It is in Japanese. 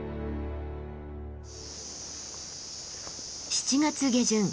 ７月下旬。